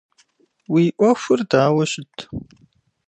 Уи ӏуэхур дауэ щыт?